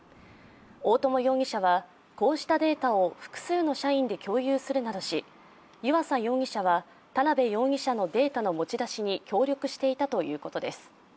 大友容疑者は、こうしたデータを複数の社員で共有するなどし湯浅容疑者は田辺容疑者のデータの持ち出しに協力していたということです。